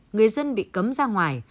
người dân bị cấm ra ngoài